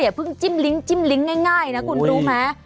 ให้การจิ้มลิงข์ง่ายนะ